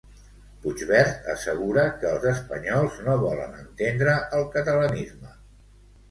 Puigverd assegura que els espanyols no volen entendre el catalanisme.